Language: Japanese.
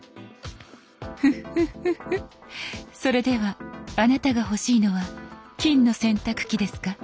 フッフッフッフそれではあなたが欲しいのは金の洗濯機ですか？